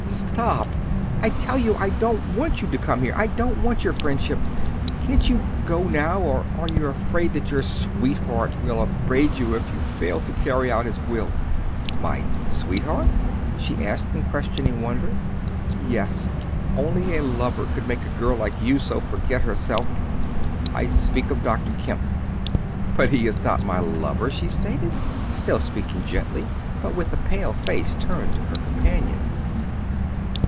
"Stop! I tell you I don't want you to come here; I don't want your friendship. Can't you go now, or are you afraid that your sweetheart will upbraid you if you fail to carry out his will?" "My sweetheart?" she asked in questioning wonder. "Yes; only a lover could make a girl like you so forget herself. I speak of Dr. Kemp." "But he is not my lover," she stated, still speaking gently, but with a pale face turned to her companion.